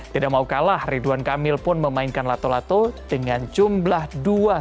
tidak mau kalah ridwan kamil pun memainkan lato lato dengan jumlah dua satu